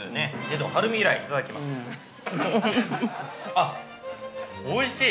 ◆あっ、おいしい！